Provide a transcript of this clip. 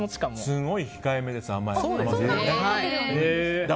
すごい控えめです、甘さは。